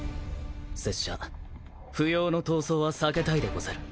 拙者不要の闘争は避けたいでござる。